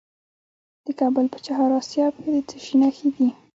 د کابل په چهار اسیاب کې د څه شي نښې دي؟